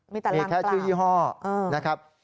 มีแค่ชื่อยี่ห้อนะครับ